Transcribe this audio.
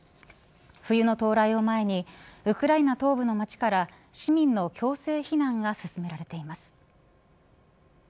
冬の到来を前にウクライナ東部の街から市民の強制避難が進められています。